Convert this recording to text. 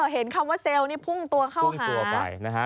อ้อเห็นคำว่าเซลล์นี่พุ่งตัวเข้าหา